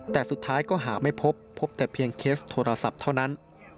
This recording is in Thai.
แต่สุดท้ายก็หาไม่พบพบแต่เพียงเคสโทรศัพท์เท่านั้น